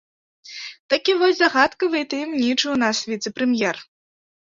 Такі вось загадкавы і таямнічы ў нас віцэ-прэм'ер.